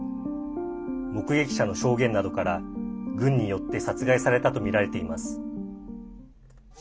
目撃者の証言などから軍によって殺害されたとみられています。